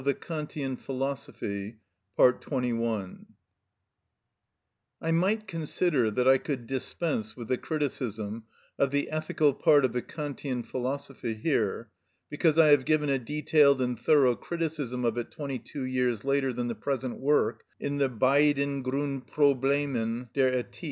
‐‐‐‐‐‐‐‐‐‐‐‐‐‐‐‐‐‐‐‐‐‐‐‐‐‐‐‐‐‐‐‐‐‐‐‐‐ I might consider that I could dispense with the criticism of the ethical part of the Kantian philosophy here because I have given a detailed and thorough criticism of it twenty two years later than the present work in the "Beiden Grundproblemen der Ethik."